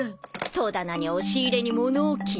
戸棚に押し入れに物置に。